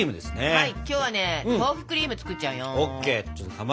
はい！